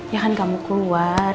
ya kan kamu keluar